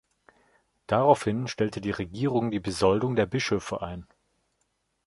Daraufhin stellte die Regierung die Besoldung der Bischöfe ein.